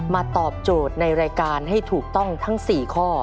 ตอบโจทย์ในรายการให้ถูกต้องทั้ง๔ข้อ